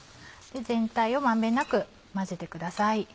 全体を満遍なく混ぜてください。